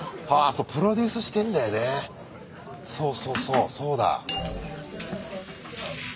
そうそうそうそうだ。